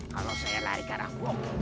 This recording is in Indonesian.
kalau saya lari ke arah buang